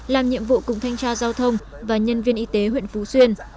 làm nhiệm vụ cùng thanh tra giao thông và nhân viên y tế huyện phú xuyên